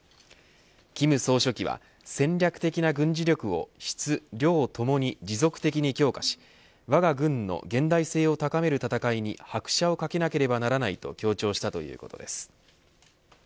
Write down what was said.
金総書記は戦略的な軍事力を質、量ともに持続的に強化しわが軍の現代性を高める闘いに拍車をかけなければならないと強調したということです。